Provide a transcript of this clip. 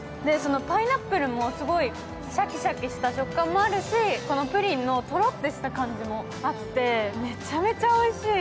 パイナップルもすごいシャキシャキした食感もあるし、プリンのトロッとした感もあってめちゃめちゃおいしい！